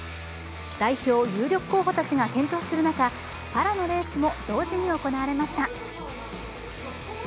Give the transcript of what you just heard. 代表有力候補たちが健闘する中パラのレースも同時に行われました。